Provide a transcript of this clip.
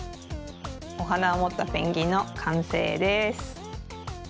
おはなをもったペンギンのかんせいです。